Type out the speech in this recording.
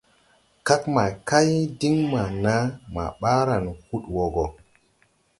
Kag ma kay din maa naa ma baaran hud wo go.